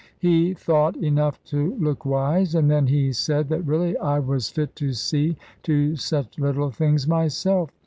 He thought, enough to look wise; and then, he said that really I was fit to see to such little things myself.